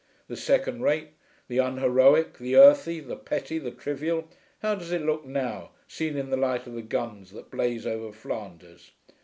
The second rate, the unheroic, the earthy, the petty, the trivial how does it look now, seen in the light of the guns that blaze over Flanders?